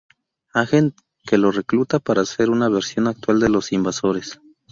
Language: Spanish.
Agent, que lo recluta para hacer una versión actual de los invasores.